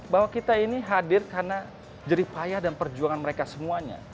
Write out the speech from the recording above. bahwa kita ini hadir karena jeripaya dan perjuangan mereka semuanya